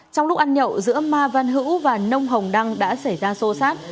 trong lúc ăn nhậu giữa ma văn hữu và nông hồng đăng đã xảy ra xô xát